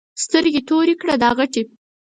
سترګې تورې کړه دا غټې.